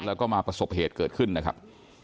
แล้วก็มาประสบเหตุเกิดขึ้นนะครับ